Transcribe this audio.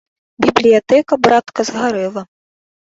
— Бібліятэка, братка, згарэла.